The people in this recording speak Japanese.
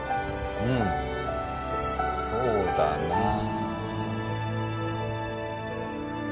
うんそうだなあ